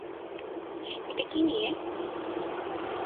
এটা কী নিয়ে?